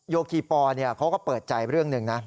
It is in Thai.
โยคีปอลเขาก็เปิดใจเรื่องหนึ่งนะ